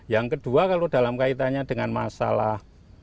yang kedua kalau dalam kaitannya dengan masalah